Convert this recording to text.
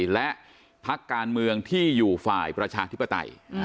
และพักการเมืองที่อยู่ฝ่ายประชาธิปไตย